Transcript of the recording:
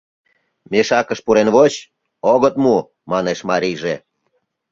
— Мешакыш пурен воч, огыт му, — манеш марийже.